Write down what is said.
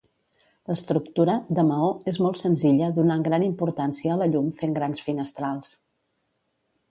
L'estructura, de maó, és molt senzilla donant gran importància a la llum, fent grans finestrals.